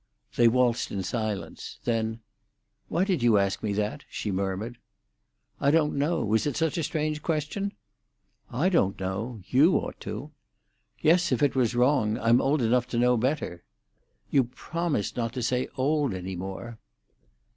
They waltzed in silence. Then, "Why did you ask me that?" she murmured. "I don't know. Was it such a strange question?" "I don't know. You ought to." "Yes, if it was wrong, I'm old enough to know better." "You promised not to say 'old' any more."